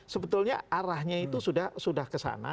sebetulnya arahnya itu sudah sudah ke sana